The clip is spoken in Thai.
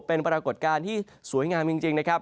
เป็นปรากฏการณ์ที่สวยงามจริงนะครับ